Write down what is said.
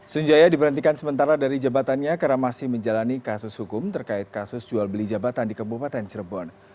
sunjaya diberhentikan sementara dari jabatannya karena masih menjalani kasus hukum terkait kasus jual beli jabatan di kabupaten cirebon